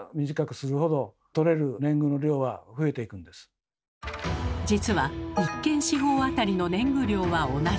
実は実は１間四方あたりの年貢量は同じ。